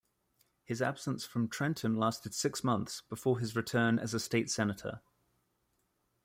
His absence from Trenton lasted six months, before his return as a state senator.